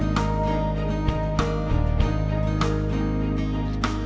semua jadi lebih mudah loh begini